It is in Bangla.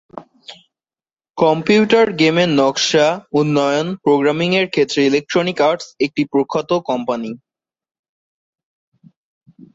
কম্পিউটার গেমের নকশা, উন্নয়ন, প্রোগ্রামিং-এর ক্ষেত্রে ইলেকট্রনিক আর্টস একটি প্রখ্যাত কোম্পানি।